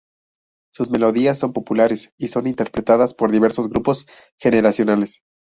Sus melodías son populares y son interpretadas por diversos grupos generacionales.